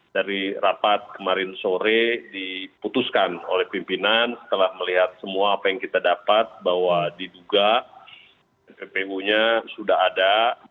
dari rapat kemarin sore diputuskan oleh pimpinan setelah melihat semua apa yang kita dapat bahwa diduga ppu nya sudah ada